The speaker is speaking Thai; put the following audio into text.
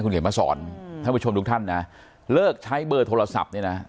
คุณเห็นมาสอนทั้งวั๑๐๔ทุกท่านาเลิกใช้เบอร์โทรศัพท์นี่น่ะ